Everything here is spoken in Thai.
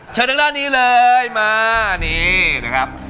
ทางด้านนี้เลยมานี่นะครับ